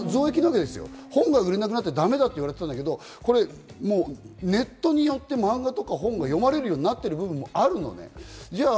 本が売れなくなってだめだと言われていたけど、ネットによって漫画とか本が読まれるようになっている部分もあるのね。